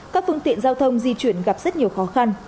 các phương tiện giao thông di chuyển gặp rất nhiều khó khăn